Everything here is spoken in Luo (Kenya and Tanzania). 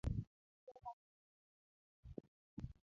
Jobatiso nitie kanye.